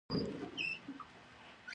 سپین پوستکی ژر سوځي